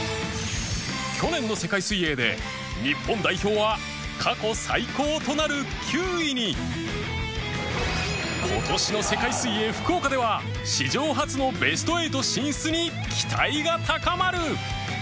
去年の世界水泳で日本代表は過去最高となる９位に！今年の世界水泳福岡では史上初のベスト８進出に期待が高まる！